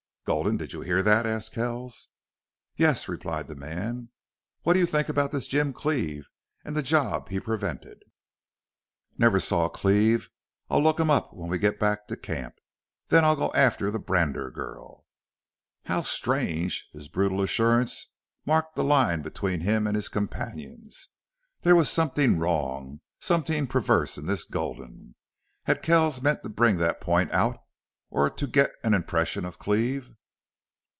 "Gulden, did you hear that?" asked Kells. "Yes," replied the man. "What do you think about this Jim Cleve and the job he prevented?" "Never saw Cleve. I'll look him up when we get back to camp. Then I'll go after the Brander girl." How strangely his brutal assurance marked a line between him and his companions! There was something wrong, something perverse in this Gulden. Had Kells meant to bring that point out or to get an impression of Cleve?